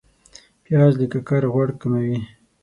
پیاز د ککر غوړ کموي